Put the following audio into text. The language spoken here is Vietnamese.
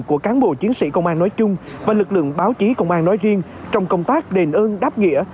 của cán bộ chiến sĩ công an nói chung và lực lượng báo chí công an nói riêng trong công tác đền ơn đáp nghĩa